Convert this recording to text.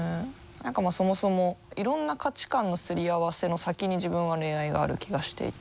何かそもそもいろんな価値観のすり合わせの先に自分は恋愛がある気がしていて。